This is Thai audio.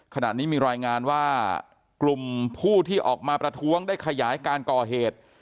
ขณะนี้มีรายงานว่ากลุ่มผู้ที่ออกมาประท้วงได้ขยายการก่อเหตุ